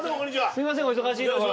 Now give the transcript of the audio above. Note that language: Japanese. すいませんお忙しいところ。